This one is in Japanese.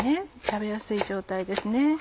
食べやすい状態です。